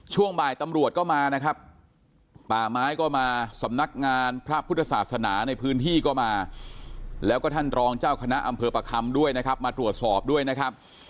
ช่วงบ่ายตำรวจก็มานะครับป่าไม้ก็มาสำนักงานพระพุทธศาสนาในพื้นที่ก็มาแล้วก็ท่านรองเจ้าคณะอำเภอประคำด้วยนะครับมาตรวจสอบด้วยนะครับ